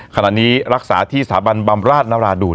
ขณะนี้รักษาที่สถาบันบำราชนราดูน